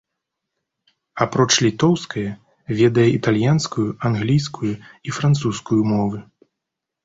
Апроч літоўскае, ведае італьянскую, англійскую і французскую мовы.